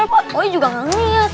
pak oi juga gak ngeliat